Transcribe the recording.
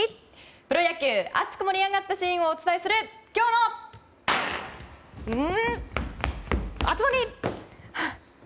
プロ野球熱く盛り上がったシーンをお伝えする今日の熱盛！